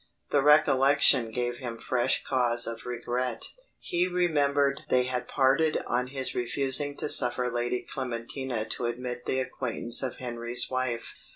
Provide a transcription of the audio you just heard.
The recollection gave him fresh cause of regret. He remembered they had parted on his refusing to suffer Lady Clementina to admit the acquaintance of Henry's wife.